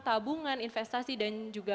tabungan investasi dan juga